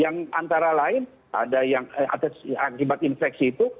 yang antara lain ada yang akibat infeksi itu